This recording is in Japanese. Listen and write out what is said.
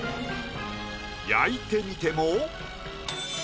焼いてみても。